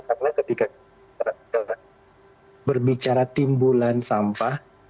karena ketika kita berbicara timbulan sampah